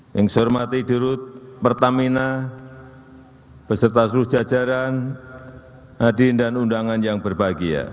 yang saya hormati dirut pertamina